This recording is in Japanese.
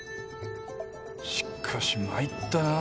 しっかし参ったなぁ。